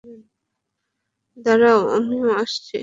দাঁড়াও, আমিও আসছি।